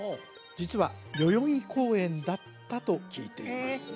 実は代々木公園だったと聞いています